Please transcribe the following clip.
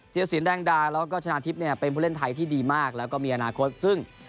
เตียสีนแดงดาร์และชนะทิพย์เป็นผู้เล่นไทยที่มีอนาคต